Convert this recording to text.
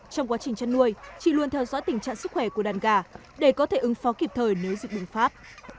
trong quá trình chăn nuôi chị luôn theo dõi tình trạng sức khỏe của đàn gà để có thể ứng phóng kịp thời nếu dịch bệnh pháp